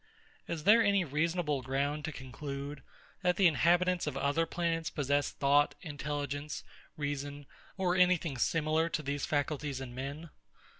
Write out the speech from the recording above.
Is there any reasonable ground to conclude, that the inhabitants of other planets possess thought, intelligence, reason, or any thing similar to these faculties in men?